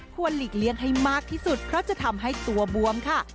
หลีกเลี่ยงให้มากที่สุดเพราะจะทำให้ตัวบวมค่ะ